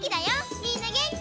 みんなげんき？